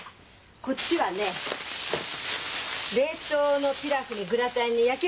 こっちはね冷凍のピラフにグラタンに焼きお握り。